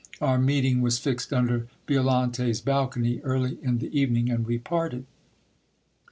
Our meeting was fixed under Violante's balcony early in the evening, and we parted.